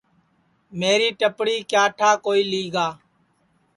میری ٹپڑی کیا ٹھا کوئی لی گا